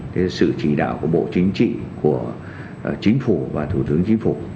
cái sự chỉ đạo của bộ chính trị của chính phủ và thủ tướng chính phủ